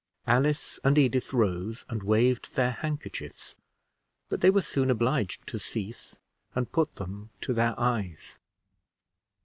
Alice and Edith rose and waved their handkerchiefs, but they were soon obliged to cease, and put them to their eyes.